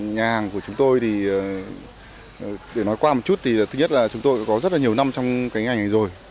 nhà hàng của chúng tôi để nói qua một chút chúng tôi có rất nhiều năm trong ngành này rồi